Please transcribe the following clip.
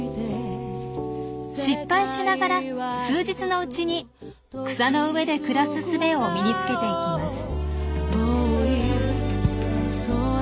失敗しながら数日のうちに草の上で暮らすすべを身につけていきます。